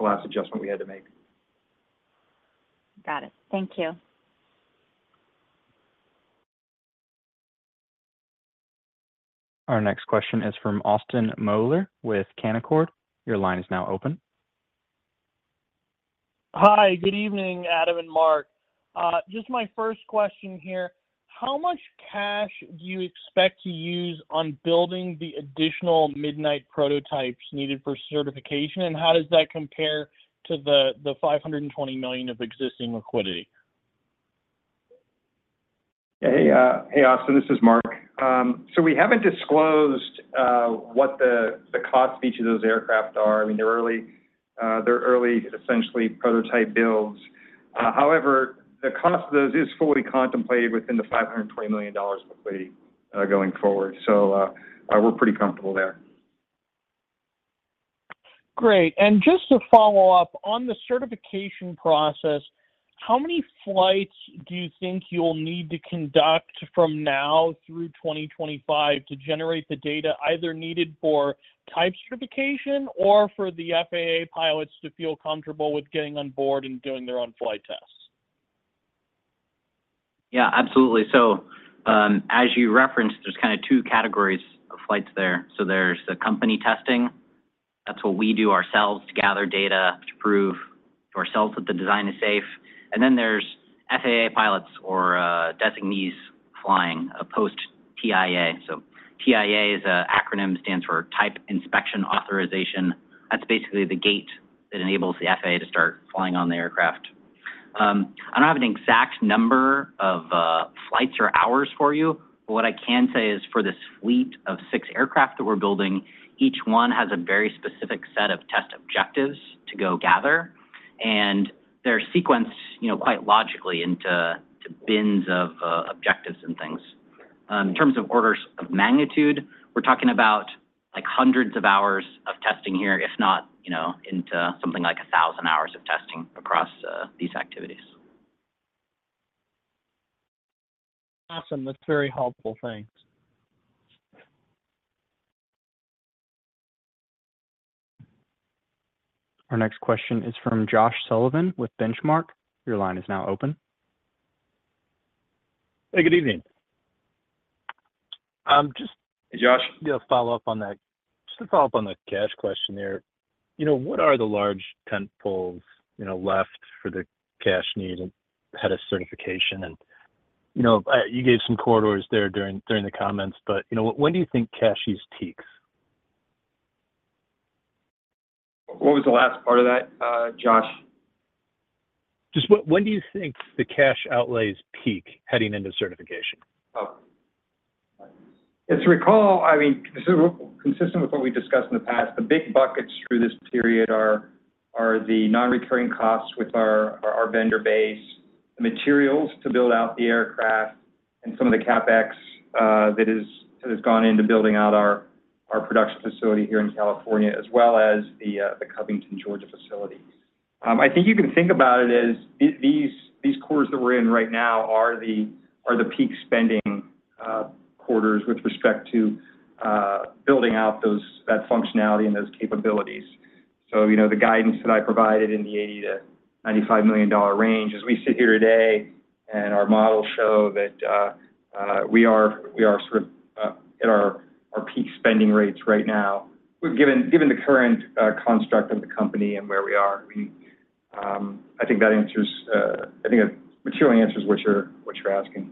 last adjustment we had to make. Got it. Thank you. Our next question is from Austin Moeller with Canaccord. Your line is now open. Hi. Good evening, Adam and Mark. Just my first question here. How much cash do you expect to use on building the additional Midnight prototypes needed for certification? And how does that compare to the $520 million of existing liquidity? Yeah. Hey, Austin. This is Mark. So we haven't disclosed what the cost of each of those aircraft are. I mean, they're early, essentially, prototype builds. However, the cost of those is fully contemplated within the $520 million of liquidity going forward. So we're pretty comfortable there. Great. Just to follow up, on the certification process, how many flights do you think you'll need to conduct from now through 2025 to generate the data either needed for type certification or for the FAA pilots to feel comfortable with getting on board and doing their own flight tests? Yeah, absolutely. So as you referenced, there's kind of two categories of flights there. So there's the company testing. That's what we do ourselves to gather data to prove to ourselves that the design is safe. And then there's FAA pilots or designees flying post-TIA. So TIA is an acronym. It stands for Type Inspection Authorization. That's basically the gate that enables the FAA to start flying on the aircraft. I don't have an exact number of flights or hours for you. But what I can say is for this fleet of six aircraft that we're building, each one has a very specific set of test objectives to go gather. And they're sequenced quite logically into bins of objectives and things. In terms of orders of magnitude, we're talking about hundreds of hours of testing here, if not into something like 1,000 hours of testing across these activities. Awesome. That's very helpful. Thanks. Our next question is from Josh Sullivan with Benchmark. Your line is now open. Hey, good evening. Just. Hey, Josh. Yeah, follow up on that. Just to follow up on the cash question there, what are the large tentpoles left for the cash needed ahead of certification? And you gave some color there during the comments. But when do you think cash peaks? What was the last part of that, Josh? Just when do you think the cash outlays peak heading into certification? Oh. As you recall, I mean, this is consistent with what we've discussed in the past. The big buckets through this period are the non-recurring costs with our vendor base, the materials to build out the aircraft, and some of the CapEx that has gone into building out our production facility here in California, as well as the Covington, Georgia facility. I think you can think about it as these cores that we're in right now are the peak spending quarters with respect to building out that functionality and those capabilities. So the guidance that I provided in the $80 million-$95 million range, as we sit here today and our models show that we are sort of at our peak spending rates right now, given the current construct of the company and where we are. I mean, I think that answers. I think it materially answers what you're asking.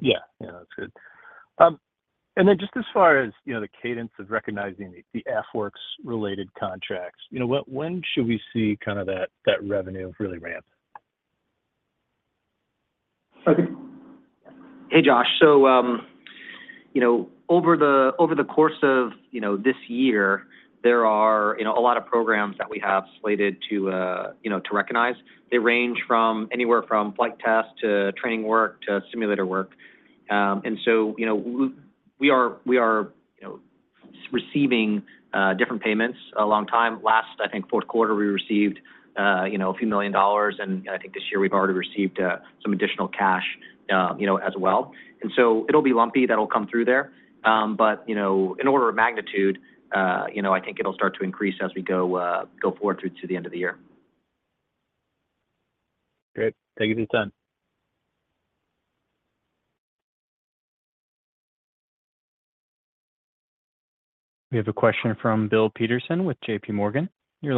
Yeah. Yeah, that's good. And then just as far as the cadence of recognizing the AFWERX-related contracts, when should we see kind of that revenue really ramp? I think. Hey, Josh. So over the course of this year, there are a lot of programs that we have slated to recognize. They range anywhere from flight test to training work to simulator work. And so we are receiving different payments a long time. Last, I think, fourth quarter, we received $ a few million. And I think this year, we've already received some additional cash as well. And so it'll be lumpy that'll come through there. But in order of magnitude, I think it'll start to increase as we go forward through to the end of the year. Great. Thank you for your time. We have a question from Bill Peterson with JP Morgan. Your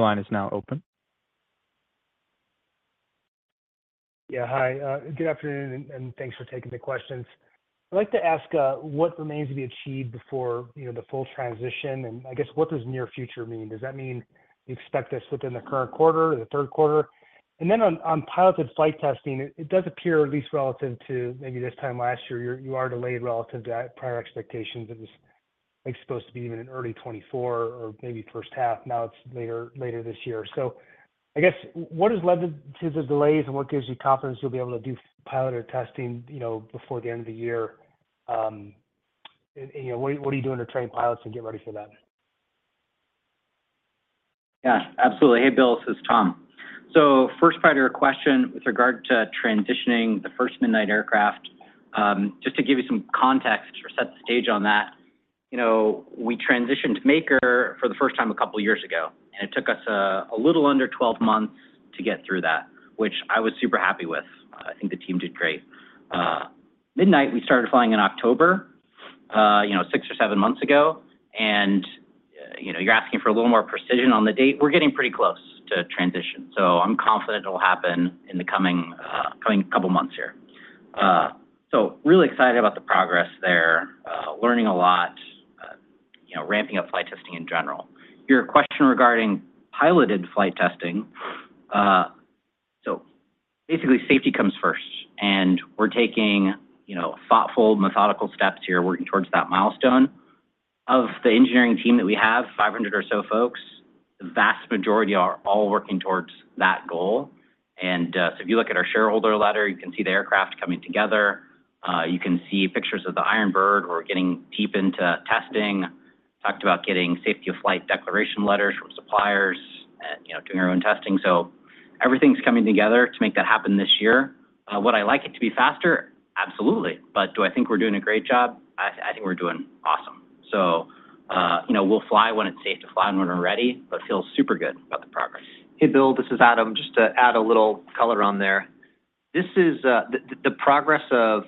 line is now open. Yeah. Hi. Good afternoon, and thanks for taking the questions. I'd like to ask what remains to be achieved before the full transition. And I guess, what does near future mean? Does that mean you expect this within the current quarter or the third quarter? And then on piloted flight testing, it does appear, at least relative to maybe this time last year, you are delayed relative to that prior expectations. It was supposed to be even in early 2024 or maybe first half. Now it's later this year. So I guess, what has led to the delays, and what gives you confidence you'll be able to do piloted testing before the end of the year? And what are you doing to train pilots and get ready for that? Yeah, absolutely. Hey, Bill. This is Tom. So first part of your question with regard to transitioning the first Midnight aircraft, just to give you some context or set the stage on that, we transitioned to Maker for the first time a couple of years ago. And it took us a little under 12 months to get through that, which I was super happy with. I think the team did great. Midnight, we started flying in October, six or seven months ago. And you're asking for a little more precision on the date. We're getting pretty close to transition. So I'm confident it'll happen in the coming couple of months here. So really excited about the progress there, learning a lot, ramping up flight testing in general. Your question regarding piloted flight testing, so basically, safety comes first. And we're taking thoughtful, methodical steps here, working towards that milestone. Of the engineering team that we have, 500 or so folks, the vast majority are all working towards that goal. And so if you look at our shareholder letter, you can see the aircraft coming together. You can see pictures of the Ironbird. We're getting deep into testing. Talked about getting safety of flight declaration letters from suppliers and doing our own testing. So everything's coming together to make that happen this year. Would I like it to be faster? Absolutely. But do I think we're doing a great job? I think we're doing awesome. So we'll fly when it's safe to fly and when we're ready, but feel super good about the progress. Hey, Bill. This is Adam. Just to add a little color on there. The progress of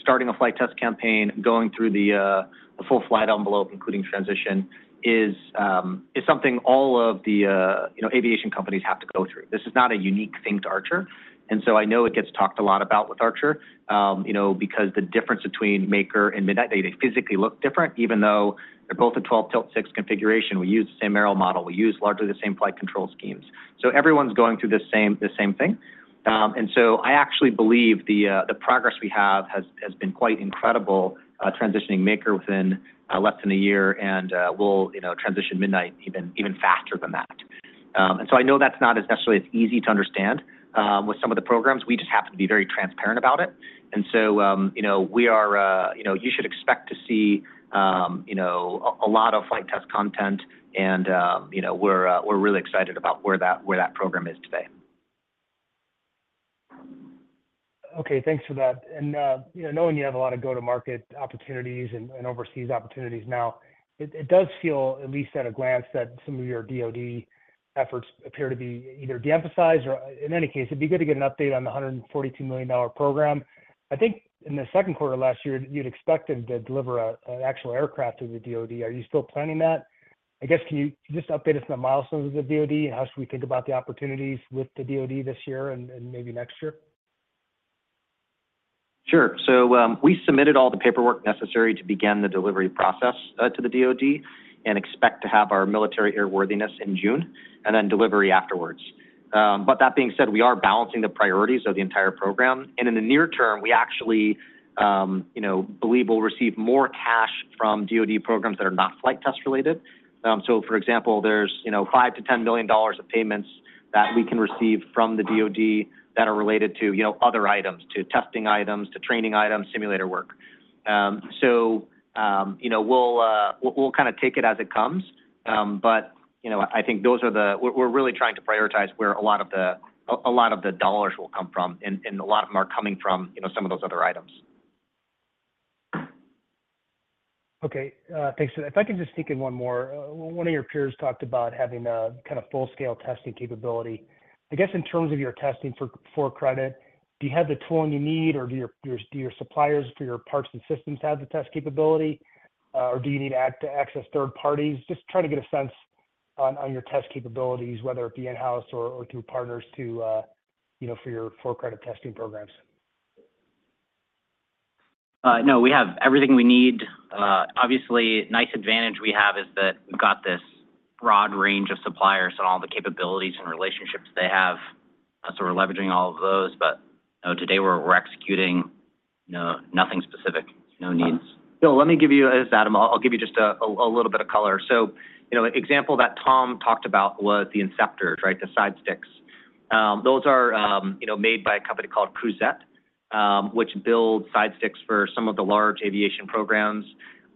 starting a flight test campaign, going through the full flight envelope, including transition, is something all of the aviation companies have to go through. This is not a unique thing to Archer. And so I know it gets talked a lot about with Archer because the difference between Maker and Midnight, they physically look different, even though they're both a 12-tilt 6 configuration. We use the same aero model. We use largely the same flight control schemes. So everyone's going through the same thing. And so I actually believe the progress we have has been quite incredible transitioning Maker within less than a year. And we'll transition Midnight even faster than that. And so I know that's not necessarily as easy to understand with some of the programs. We just happen to be very transparent about it. And so you should expect to see a lot of flight test content. And we're really excited about where that program is today. Okay. Thanks for that. And knowing you have a lot of go-to-market opportunities and overseas opportunities now, it does feel, at least at a glance, that some of your DOD efforts appear to be either de-emphasized or, in any case, it'd be good to get an update on the $142 million program. I think in the second quarter last year, you'd expected to deliver an actual aircraft to the DOD. Are you still planning that? I guess, can you just update us on the milestones of the DOD? And how should we think about the opportunities with the DOD this year and maybe next year? Sure. So we submitted all the paperwork necessary to begin the delivery process to the DOD and expect to have our military airworthiness in June and then delivery afterwards. But that being said, we are balancing the priorities of the entire program. And in the near term, we actually believe we'll receive more cash from DOD programs that are not flight test-related. So, for example, there's $5 million-$10 million of payments that we can receive from the DOD that are related to other items, to testing items, to training items, simulator work. So we'll kind of take it as it comes. But I think those are the we're really trying to prioritize where a lot of the a lot of the dollars will come from. And a lot of them are coming from some of those other items. Okay. Thanks for that. If I can just sneak in one more. One of your peers talked about having kind of full-scale testing capability. I guess, in terms of your testing for credit, do you have the tooling you need? Or do your suppliers for your parts and systems have the test capability? Or do you need to access third parties? Just trying to get a sense on your test capabilities, whether it be in-house or through partners for your for-credit testing programs. No, we have everything we need. Obviously, a nice advantage we have is that we've got this broad range of suppliers and all the capabilities and relationships they have. So we're leveraging all of those. But today, we're executing nothing specific. No needs. Bill, let me give you as Adam, I'll give you just a little bit of color. So an example that Tom talked about was the inceptors, right, the side sticks. Those are made by a company called Crouzet, which builds side sticks for some of the large aviation programs.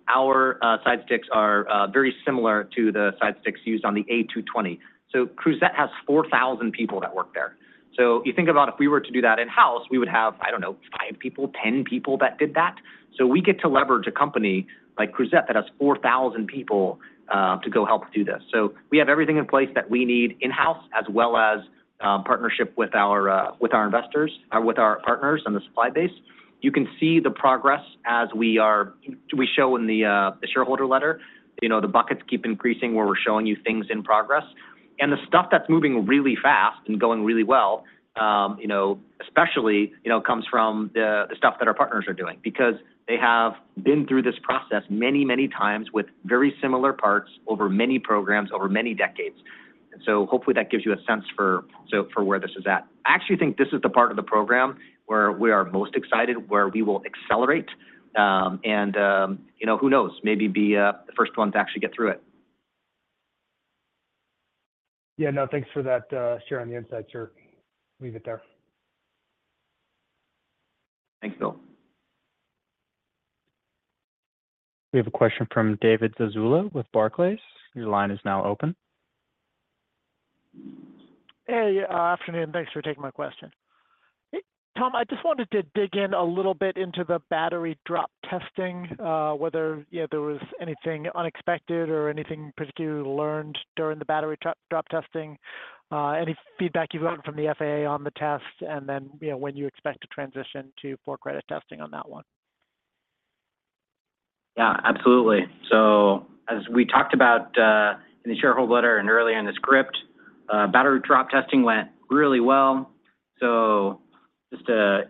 Our side sticks are very similar to the side sticks used on the A220. So Crouzet has 4,000 people that work there. So you think about if we were to do that in-house, we would have, I don't know, five people, 10 people that did that. So we get to leverage a company like Crouzet that has 4,000 people to go help do this. So we have everything in place that we need in-house, as well as partnership with our investors or with our partners and the supply base. You can see the progress as we show in the shareholder letter. The buckets keep increasing where we're showing you things in progress. And the stuff that's moving really fast and going really well, especially, comes from the stuff that our partners are doing because they have been through this process many, many times with very similar parts over many programs, over many decades. And so hopefully, that gives you a sense for where this is at. I actually think this is the part of the program where we are most excited, where we will accelerate. Who knows, maybe be the first one to actually get through it. Yeah. No, thanks for that sharing the insight, sir. Leave it there. Thanks, Bill. We have a question from David Zazula with Barclays. Your line is now open. Hey, afternoon. Thanks for taking my question. Tom, I just wanted to dig in a little bit into the battery drop testing, whether there was anything unexpected or anything particularly learned during the battery drop testing, any feedback you've gotten from the FAA on the test, and then when you expect to transition to for-credit testing on that one? Yeah, absolutely. So as we talked about in the shareholder letter and earlier in the script, battery drop testing went really well. So just to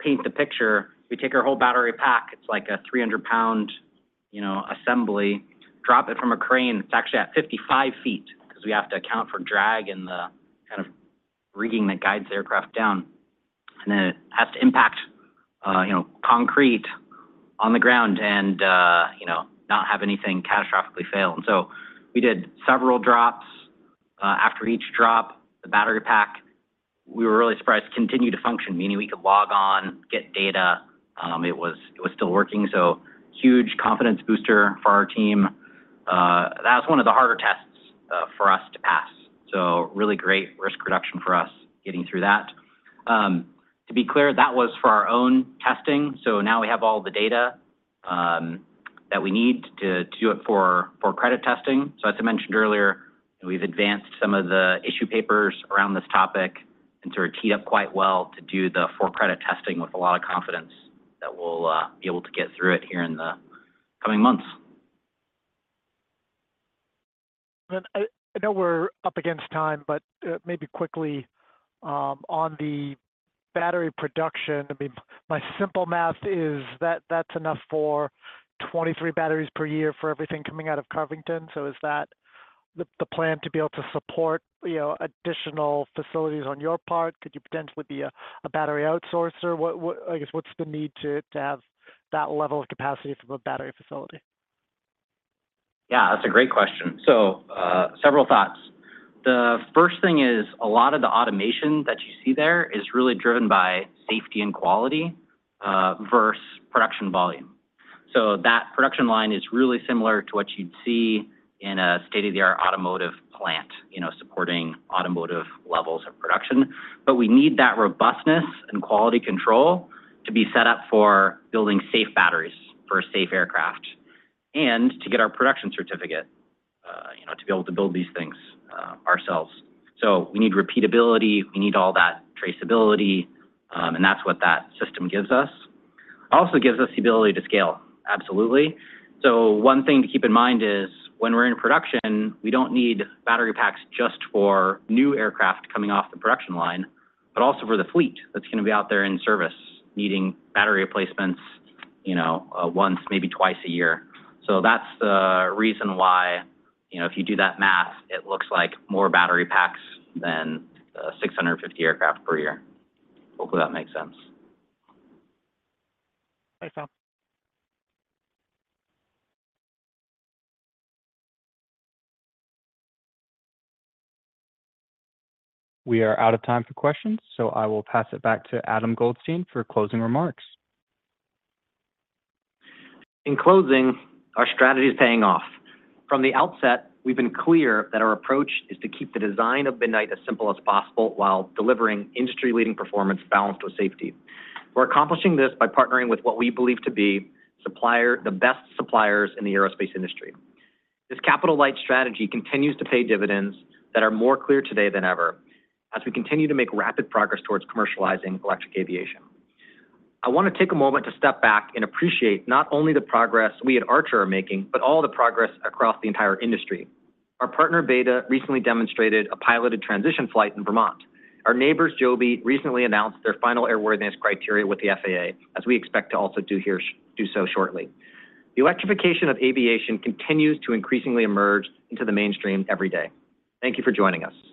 paint the picture, we take our whole battery pack. It's like a 300-pound assembly. Drop it from a crane. It's actually at 55 feet because we have to account for drag and the kind of rigging that guides the aircraft down. And then it has to impact concrete on the ground and not have anything catastrophically fail. And so we did several drops. After each drop, the battery pack, we were really surprised to continue to function, meaning we could log on, get data. It was still working. So huge confidence booster for our team. That was one of the harder tests for us to pass. So really great risk reduction for us getting through that. To be clear, that was for our own testing. So now we have all the data that we need to do it for credit testing. So as I mentioned earlier, we've advanced some of the issue papers around this topic and sort of teed up quite well to do the for-credit testing with a lot of confidence that we'll be able to get through it here in the coming months. I know we're up against time, but maybe quickly on the battery production. I mean, my simple math is that's enough for 23 batteries per year for everything coming out of Covington. So is that the plan to be able to support additional facilities on your part? Could you potentially be a battery outsourcer? I guess, what's the need to have that level of capacity from a battery facility? Yeah, that's a great question. So several thoughts. The first thing is a lot of the automation that you see there is really driven by safety and quality versus production volume. So that production line is really similar to what you'd see in a state-of-the-art automotive plant supporting automotive levels of production. But we need that robustness and quality control to be set up for building safe batteries for a safe aircraft and to get our production certificate to be able to build these things ourselves. So we need repeatability. We need all that traceability. And that's what that system gives us. It also gives us the ability to scale, absolutely. One thing to keep in mind is when we're in production, we don't need battery packs just for new aircraft coming off the production line, but also for the fleet that's going to be out there in service needing battery replacements once, maybe twice a year. That's the reason why if you do that math, it looks like more battery packs than 650 aircraft per year. Hopefully, that makes sense. Thanks, Tom. We are out of time for questions. I will pass it back to Adam Goldstein for closing remarks. In closing, our strategy is paying off. From the outset, we've been clear that our approach is to keep the design of Midnight as simple as possible while delivering industry-leading performance balanced with safety. We're accomplishing this by partnering with what we believe to be the best suppliers in the aerospace industry. This capital light strategy continues to pay dividends that are more clear today than ever as we continue to make rapid progress towards commercializing electric aviation. I want to take a moment to step back and appreciate not only the progress we at Archer are making, but all the progress across the entire industry. Our partner, Beta, recently demonstrated a piloted transition flight in Vermont. Our neighbors, Joby, recently announced their final airworthiness criteria with the FAA, as we expect to also do so shortly. The electrification of aviation continues to increasingly emerge into the mainstream every day. Thank you for joining us.